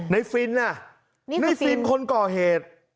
ในฟิลล์น่ะในฟิลล์คนก่อเหตุ